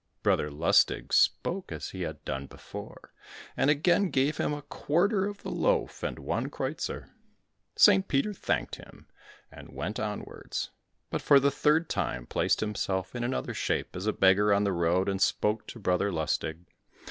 Brother Lustig spoke as he had done before, and again gave him a quarter of the loaf and one kreuzer. St. Peter thanked him, and went onwards, but for the third time placed himself in another shape as a beggar on the road, and spoke to Brother Lustig.